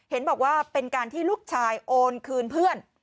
เห็นบอกว่าเป็นการที่ลูกชายโอนคืนเพื่อน